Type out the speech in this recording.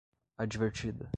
advertida